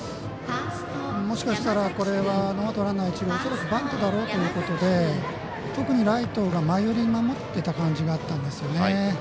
もしかしたら、これはノーアウト、ランナー、一塁バントだろうということで特にライトが前寄りに守っていた感じがあったんでよね。